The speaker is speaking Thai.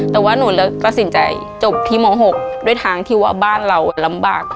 แต่ว่าหนูตัดสินใจจบที่ม๖ด้วยทางที่ว่าบ้านเราลำบาก